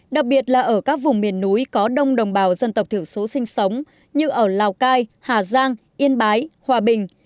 đặc biệt là ở các vùng miền núi có đông đồng bào dân tộc thiểu số sinh sống như ở lào cai hà giang yên bái hòa bình